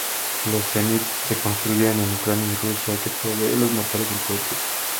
Los Zenit se construyen en Ucrania y Rusia, que provee los motores del cohete.